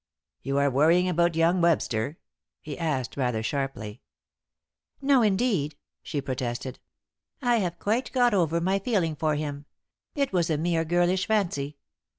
"You are worrying about young Webster?" he asked, rather sharply. "No, indeed," she protested. "I have quite got over my feeling for him. It was a mere girlish fancy."